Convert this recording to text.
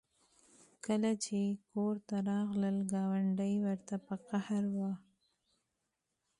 کله چې کور ته راغلل ګاونډۍ ورته په قهر وه